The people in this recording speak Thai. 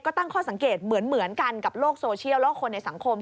ก็ตั้งข้อสังเกตเหมือนกันกับโลกโซเชียลแล้วก็คนในสังคม